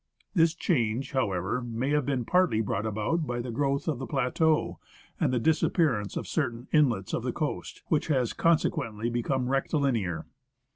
This change, however, may have been partly brought about by the growth of the plateau and the disappearance of certain inlets of the coast, which has consequently become rectilinear.